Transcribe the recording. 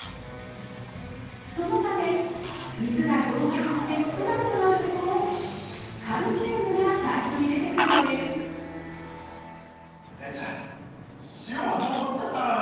そのため水が蒸発して少なくなるとカルシウムが最初に出てくるのですじゃあ塩はどこ行っちゃったのよ？